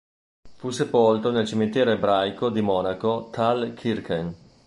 Fu sepolto nel cimitero ebraico di Monaco-Thalkirchen.